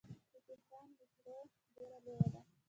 د تهران میټرو ډیره لویه ده.